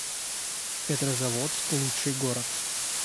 Петрозаводск — лучший город